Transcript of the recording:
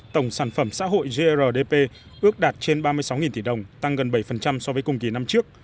tổng sản phẩm xã hội grdp ước đạt trên ba mươi sáu tỷ đồng tăng gần bảy so với cùng kỳ năm trước